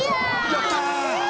やった！